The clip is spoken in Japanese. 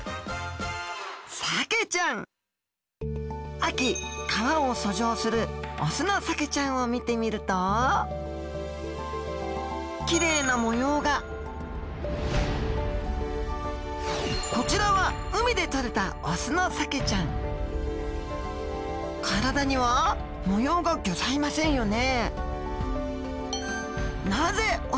秋川を遡上するオスのサケちゃんを見てみるときれいな模様がこちらは体には模様がギョざいませんよね